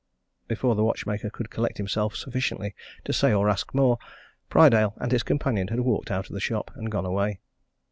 Before the watchmaker could collect himself sufficiently to say or ask more, Prydale and his companion had walked out of the shop and gone away.